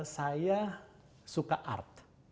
saya suka art